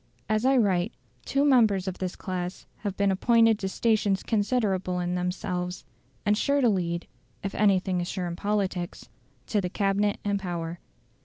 As I write, two members of this class have been appointed to stations considerable in themselves, and sure to lead (if anything is sure in politics) to the Cabinet and power.